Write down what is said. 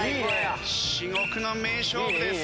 至極の名勝負です。